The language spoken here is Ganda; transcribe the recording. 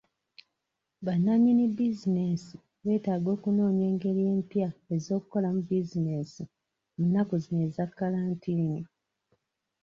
Bannannyini bizinensi beetaaga okunoonya engeri empya ez'okukolamu businensi mu nnaku zino eza kkalantiini.